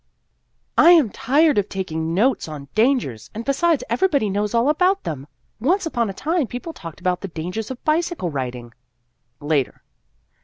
" I am tired of taking notes on dangers, and besides everybody knows all about them. Once upon a time people talked about the dangers of bicycle riding. " Later.